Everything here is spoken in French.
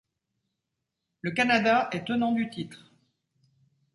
Le Canada est tenant du titre.